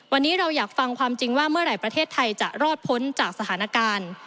วันนี้เราอยากฟังความจริงว่าเมื่อไหร่ประเทศไทยจะรอดพ้นจากสถานการณ์